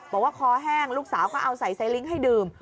คอแห้งลูกสาวก็เอาใส่ไซลิงค์ให้ดื่ม